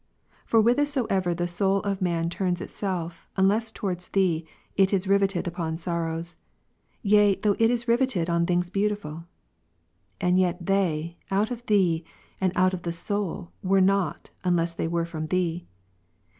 For whithersoever the soul of man turns itself, unless towards Thee, it is rivetted upon sorrows '', yea though it is rivetted on things beautiful. And yet they, out of Thee, and out of the soul, were not, unless they were from Thee.